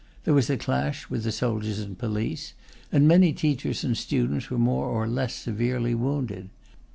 There was a clash with the soldiers and police, and many teachers and students were more or less severely wounded.